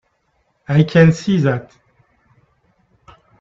I can see that.